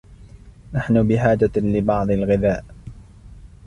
نحن بحاجة لبعض الغذاء.